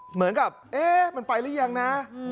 เหมือนกับเอ๊ะมันไปหรือยังนะ